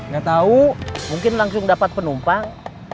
gak tau mungkin langsung dapat penumpang